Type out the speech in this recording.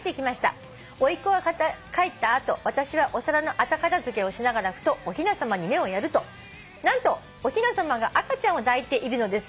「おいっ子が帰った後私はお皿の後片付けをしながらふとおひなさまに目をやると何とおひなさまが赤ちゃんを抱いているのです」